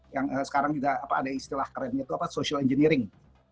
yang sekarang juga ada istilah kerennya itu apa social engineering